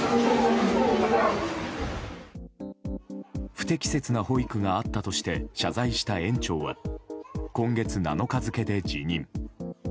不適切な保育があったとして謝罪した園長は今月７日付で辞任。